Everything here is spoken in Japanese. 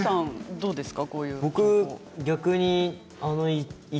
どうですか？